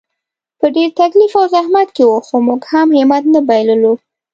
په ډېر تکلیف او زحمت کې وو، خو موږ هم همت نه بایللو.